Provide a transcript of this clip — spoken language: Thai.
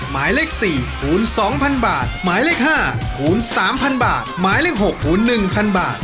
หมายเลข๔คูณ๒๐๐๐บาทหมายเลข๕คูณ๓๐๐บาทหมายเลข๖คูณ๑๐๐บาท